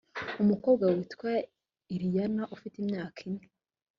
umukobwa witwa iliana ufite imyaka ine